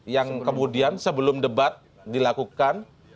yang kemudian sebelum debat dilakukan